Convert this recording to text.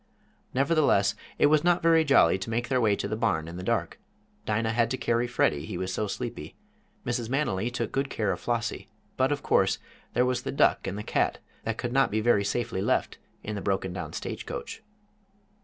Nevertheless, it was not very jolly to make their way to the barn in the dark. Dinah had to carry Freddie, he was so sleepy; Mrs. Manily took good care of Flossie. But, of course, there was the duck and the cat, that could not be very safely left in the broken down stagecoach.